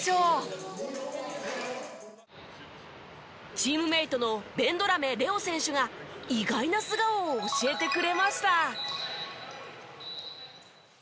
チームメートのベンドラメ礼生選手が意外な素顔を教えてくれました。